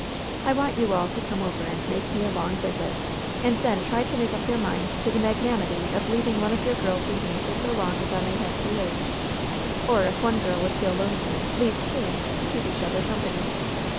I want you all to come over and make me a long visit, and then try to make up your minds to the magnanimity of leav ing one of your girls with me for so long as I may have to live ; or, if one girl would feel lonesome, leave two, to keep each other company.